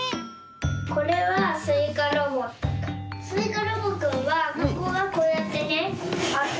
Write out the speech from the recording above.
これはスイカロボくんはここがこうやってねあく。